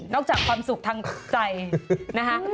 นอกจากความสุขทั้งใจนะฮะ